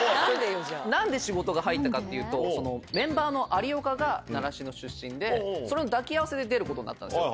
なんで仕事が入ったかっていうと、メンバーの有岡が習志野出身で、それの抱き合わせで出ることになったんです。